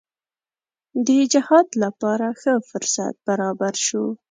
د جهاد لپاره ښه فرصت برابر شو.